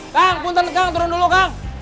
kang punten kang turun dulu kang